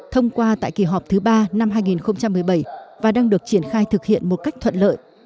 thông qua tại kỳ họp thứ ba năm hai nghìn một mươi bảy và đang được triển khai thực hiện một cách thuận lợi